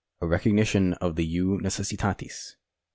A recognition of the jus necessitatis.